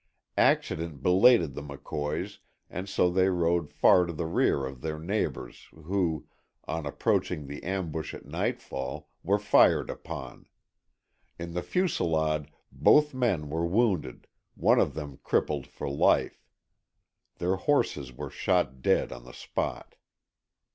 Accident belated the McCoys and so they rode far to the rear of their neighbors who, on approaching the ambush at nightfall, were fired upon. In the fusilade both men were wounded, one of them crippled for life. Their horses were shot dead on the spot.